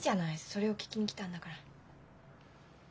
それを聞きに来たんだから。